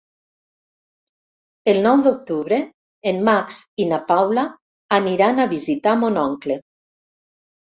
El nou d'octubre en Max i na Paula aniran a visitar mon oncle.